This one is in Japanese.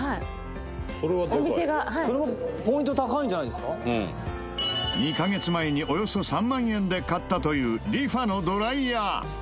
「お店が」２カ月前におよそ３万円で買ったというＲｅＦａのドライヤー。